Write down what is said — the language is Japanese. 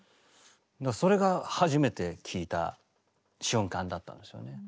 それが初めて聴いた瞬間だったんですよね。